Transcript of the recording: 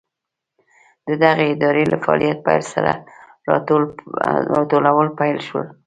د دغې ادارې له فعالیت پیل سره راټولول پیل شول.